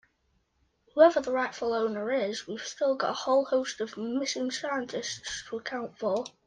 Whoever the rightful owner is we've still got a whole host of missing scientists to account for.